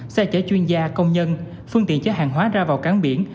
xe chở chuyên gia công nhân phương tiện chở hàng hóa ra vào cán biển